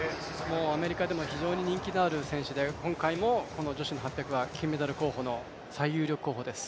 アメリカでも非常に人気のある選手で、今大会、８００ｍの金メダル候補の最有力候補です。